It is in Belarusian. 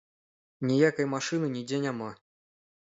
Ніякай машыны нідзе няма.